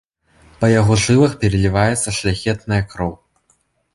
Па яго жылах пераліваецца шляхетная кроў.